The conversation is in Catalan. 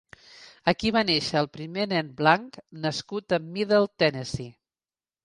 Aquí va néixer el primer nen blanc nascut a Middle Tennessee.